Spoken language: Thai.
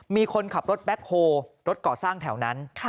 มีคนขับรถแบ็คโฮรถก่อสร้างแถวนั้น